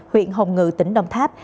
huyện hồng ngự tỉnh đồng tháp